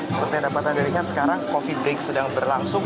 seperti yang dapat anda lihat sekarang coffee break sedang berlangsung